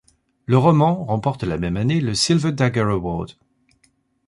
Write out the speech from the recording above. Le roman remporte la même année le Silver Dagger Award.